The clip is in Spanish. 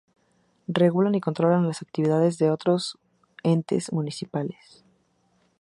Regulan y controlan las actividades de los otros entes municipales.